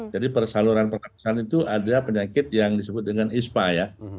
jadi saluran pernafasan itu ada penyakit yang disebut dengan ispa ya